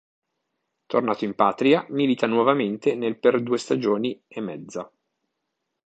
Tornato in patria, milita nuovamente nel per due stagioni e mezza.